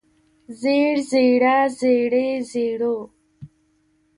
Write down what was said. زېړ زېړه زېړې زېړو